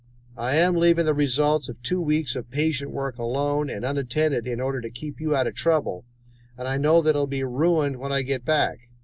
I am leaving the results of two weeks of patient work alone and unattended in order to keep you out of trouble, and I know that it will be ruined when I get back.